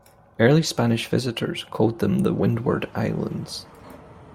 Early Spanish visitors called them the "Windward Islands".